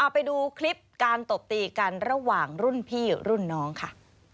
ไปดูคลิปการตบตีกันระหว่างรุ่นพี่รุ่นน้องค่ะ